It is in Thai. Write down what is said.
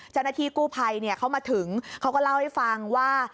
จันที่กู้ไพเข้ามาถึงเขาก็เล่าให้ฟังว่า